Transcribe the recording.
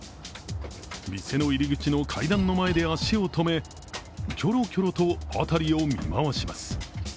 店の入り口の階段の前で足を止め、キョロキョロと辺りを見回します。